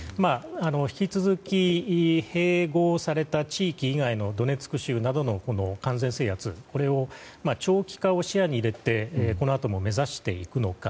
引き続き、併合された地域以外のドネツク州などの完全制圧を長期化も視野に入れてこのあとも目指していくのか。